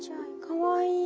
かわいい。